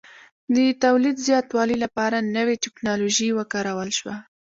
د تولید زیاتوالي لپاره نوې ټکنالوژي وکارول شوه